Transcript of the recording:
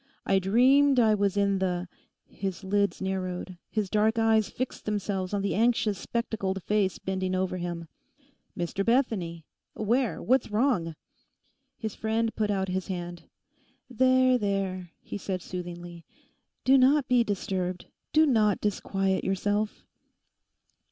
'I dreamed I was in the—' His lids narrowed, his dark eyes fixed themselves on the anxious spectacled face bending over him. 'Mr Bethany! Where? What's wrong?' His friend put out his hand. 'There, there,' he said soothingly, 'do not be disturbed; do not disquiet yourself.